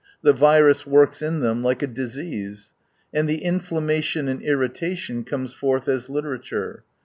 The virus works in them like a disease. And the inflammation and irritation comes forth as literature.